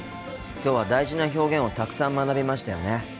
今日は大事な表現をたくさん学びましたよね。